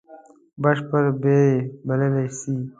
بشپړ بری بللای سي.